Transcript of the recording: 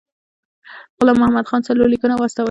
غلام محمد خان څلور لیکونه واستول.